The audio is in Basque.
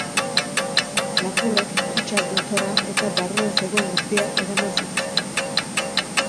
Lapurrek kutxa gotorra eta barruan zegoen guztia eraman zituzten.